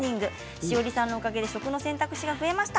ＳＨＩＯＲＩさんのおかげで食の選択肢が増えました。